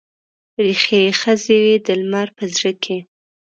ریښې یې ښخې وي د لمر په زړه کې